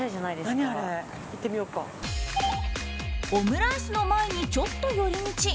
オムライスの前にちょっと寄り道。